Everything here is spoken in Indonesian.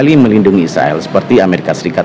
kali melindungi israel seperti amerika serikat